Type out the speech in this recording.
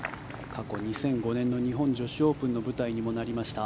過去２００５年の日本女子オープンの舞台にもなりました